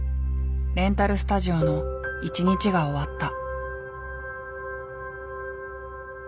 レンタルスタジオの一日が終わった。